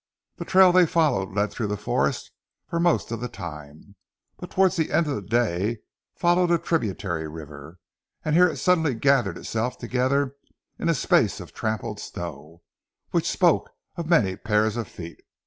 The trail they followed led through the forest for most of the time, but towards the end of the day followed a tributary river, and here it suddenly gathered itself together in a space of trampled snow, which spoke of many pairs of feet.